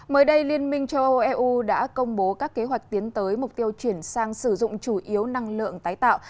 mới đây liên minh châu âu eu đã công bố các kế hoạch tiến tới mục tiêu chuyển sang sử dụng chủ yếu năng lượng tái tạo